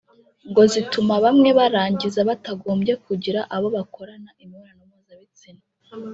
ngo zituma bamwe barangiza batagombye kugira abo bakorana imibonano mpuzabitsina